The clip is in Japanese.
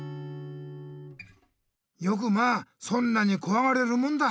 よくまあそんなにこわがれるもんだ。